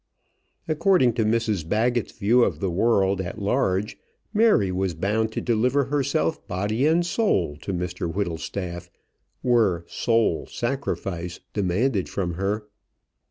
According to Mrs Baggett's view of the world at large, Mary was bound to deliver herself body and soul to Mr Whittlestaff, were "soul sacrifice" demanded from her.